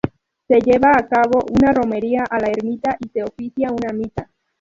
Se lleva a cabo una romería a la ermita y se oficia una misa.